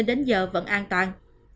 tính giờ vẫn an toàn